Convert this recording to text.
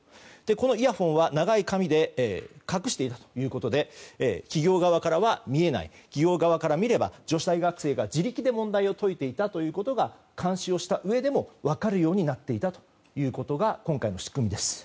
このイヤホンは長い髪で隠していたということで企業側からは見えない企業側から見れば女子大学生が自力で問題を解いていたということが監視をしたうえでも分かるようになっていたということが今回の仕組みです。